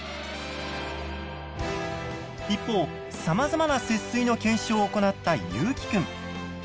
一方さまざまな節水の検証を行ったゆうきくん。